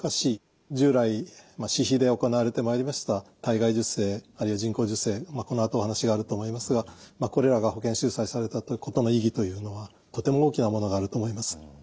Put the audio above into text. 従来私費で行われてまいりました体外受精あるいは人工授精このあとお話があると思いますがこれらが保険収載されたことの意義というのはとても大きなものがあると思います。